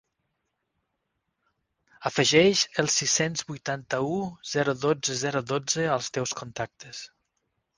Afegeix el sis-cents vuitanta-u zero dotze zero dotze als teus contactes.